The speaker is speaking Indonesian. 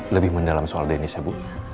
lebih mendalam soal denny saya bu